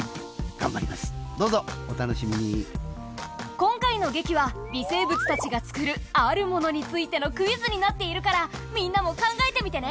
今回の劇は微生物たちが作るあるものについてのクイズになっているからみんなも考えてみてね。